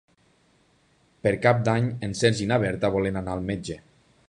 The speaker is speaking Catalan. Per Cap d'Any en Sergi i na Berta volen anar al metge.